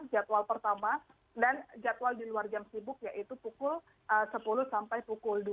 jadwal pertama dan jadwal di luar jam sibuk yaitu pukul sepuluh sampai pukul dua